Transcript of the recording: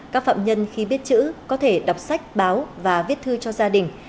các phạm nhân khi biết chữ có thể đọc sách báo và viết thư cho gia đình